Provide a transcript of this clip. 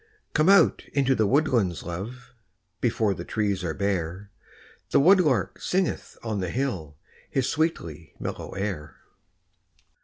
COME out into the woodlands, love, Before the trees are bare ; The woodlark singeth on the hill His sweetly mellow air.